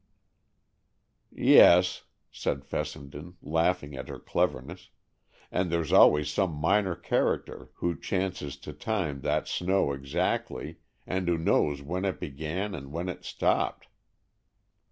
'" "Yes," said Fessenden, laughing at her cleverness, "and there's always some minor character who chances to time that snow exactly, and who knows when it began and when it stopped."